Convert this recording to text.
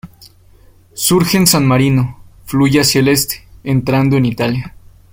Surge en San Marino, fluye hacia el este, entrando en Italia.